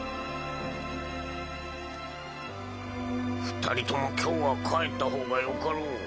二人とも今日は帰った方がよかろう。